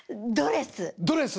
ドレス。